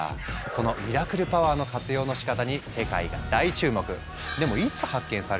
そのミラクルパワーの活用のしかたに世界が大注目。